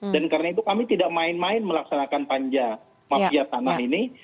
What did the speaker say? dan karena itu kami tidak main main melaksanakan panja mafiasan ini